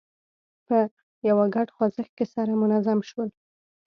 په یوه ګډ خوځښت کې سره منظم شول.